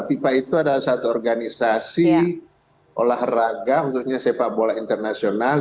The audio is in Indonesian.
fifa itu adalah satu organisasi olahraga khususnya sepak bola internasional